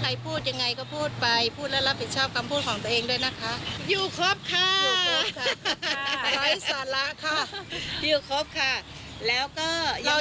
ใครพูดยังไงก็พูดไปพูดแล้วรับผิดชอบความพูดของตัวเองด้วยนะคะ